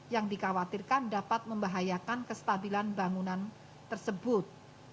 yang dikhawatirkan dapat membahayakan kestabilan bangunan tersebut